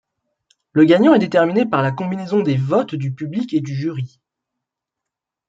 Le gagnant est déterminé par la combinaison des votes du public et du jury.